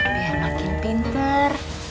biar makin pinter